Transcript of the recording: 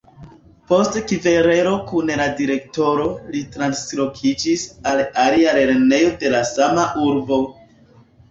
Post kverelo kun la direktoro, li translokiĝis al alia lernejo de la sama urbo.